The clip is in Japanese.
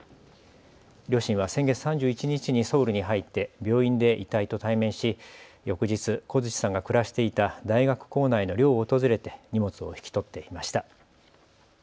両親は先月３１日にソウルに入って病院で遺体と対面し翌日、小槌さんが暮らしていた大学構内の寮を訪れて荷物を引き取っていました。